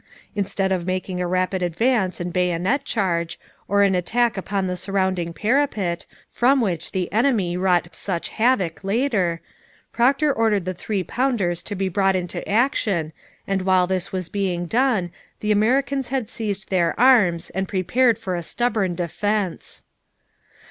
Instead of making a rapid advance and bayonet charge, or an attack upon the surrounding parapet, from which the enemy wrought such havoc later, Procter ordered the three pounders to be brought into action, and while this was being done, the Americans had seized their arms and prepared for a stubborn defence.